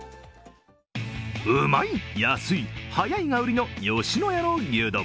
「うまい、やすい、はやい」が売りの吉野家の牛丼。